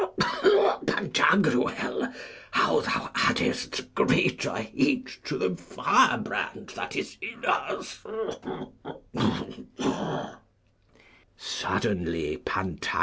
Ha, Pantagruel, how thou addest greater heat to the firebrand that is in us!